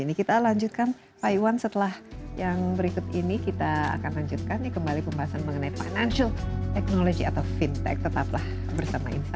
ini kita lanjutkan pak iwan setelah yang berikut ini kita akan lanjutkan kembali pembahasan mengenai financial technology atau fintech tetaplah bersama insight